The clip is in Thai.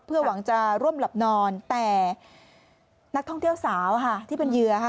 เพื่อหวังจะร่วมหลับนอนแต่นักท่องเที่ยวสาวค่ะที่เป็นเหยื่อค่ะ